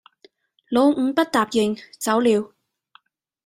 老五不答應，走了；